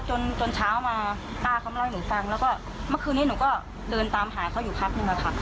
จนจนเช้ามาป้าเขามาเล่าให้หนูฟังแล้วก็เมื่อคืนนี้หนูก็เดินตามหาเขาอยู่พักนึงอะค่ะ